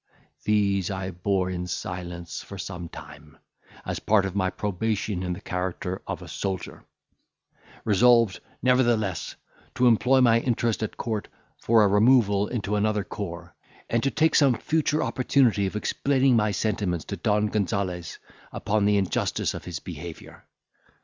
These I bore in silence for some time, as part of my probation in the character of a soldier; resolved, nevertheless, to employ my interest at court for a removal into another corps, and to take some future opportunity of explaining my sentiments to Don Gonzales upon the injustice of his behaviour.